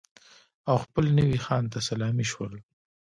او خپل نوي خان ته سلامي شول.